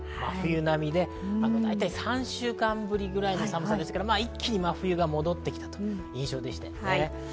真冬並みで３週間ぶりくらいの寒さですから、一気に真冬が戻ってきたという印象でしたよね。